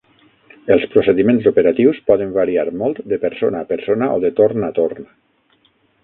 Els procediments operatius poden variar molt de persona a persona o de torn a torn.